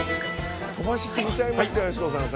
飛ばしすぎちゃいますか美子さん